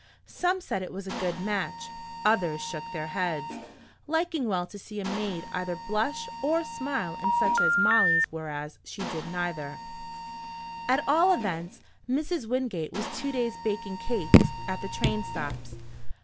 Some said it was a good match, others shook their heads, liking well to see a maid either blush or smile in such case as Molly's, whereas she did neither. At all events, Mrs. Wingate was two days baking cakes at the train stops.